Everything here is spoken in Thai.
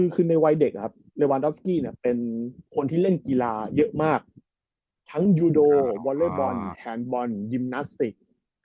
คือในวัยเด็กในวันดอฟสกี้เป็นคนที่เล่นกีฬาเยอะมากทั้งยูโดวอเลอร์บอลแทนบอลยิมนาสติก